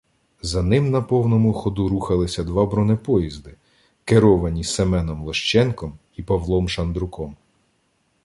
За ним на повному ходу рухалися два бронепоїзди, керовані Семеном Лощенком і Павлом Шандруком.